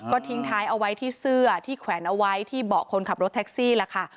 ก็ทิ้งท้ายเอาไว้ที่เสื้อที่แขวนเอาไว้ที่เบาะคนขับรถแท็กซี่ล่ะค่ะ